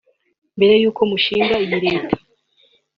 Mbere y’uko mushinga iyi Leta